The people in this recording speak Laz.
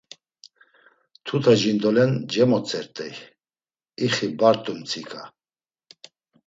Tuta jindolen cemotzert̆ey; ixi bart̆u mtsika.